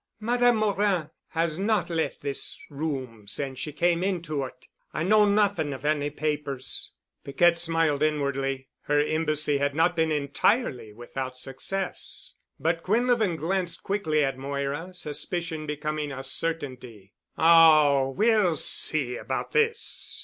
"Madame Morin has not left this room since she came into it. I know nothing of any papers." Piquette smiled inwardly. Her embassy had not been entirely without success. But Quinlevin glanced quickly at Moira, suspicion becoming a certainty. "Oh, we'll see about this."